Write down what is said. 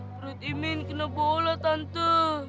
perut imin kena bola tantu